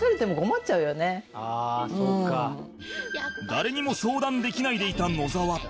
誰にも相談できないでいた野沢